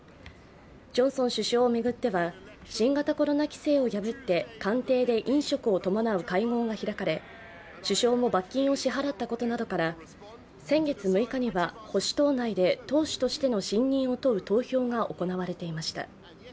ジョンソン首相を巡っては新型コロナ規制を破って官邸で飲食を伴う会合が開かれ首相も罰金を支払ったことなどから先月６日には保守党内で党首としての信任を問う投票が行われていました。